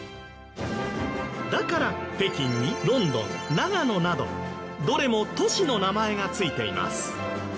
だから北京にロンドン長野などどれも都市の名前がついています。